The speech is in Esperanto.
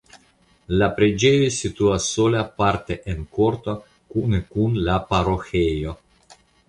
La preĝejo situas sola parte en korto kune kun la paroĥejo.